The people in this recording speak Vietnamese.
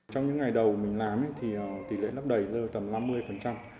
trong những ngày đầu mình làm thì tỷ lệ lắp đẩy lên tầm năm mươi